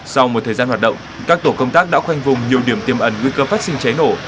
sau một thời gian hoạt động các tổ công tác đã khoanh vùng nhiều điểm tiêm ẩn nguy cơ phát sinh cháy nổ